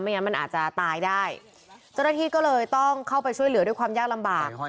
งั้นมันอาจจะตายได้เจ้าหน้าที่ก็เลยต้องเข้าไปช่วยเหลือด้วยความยากลำบาก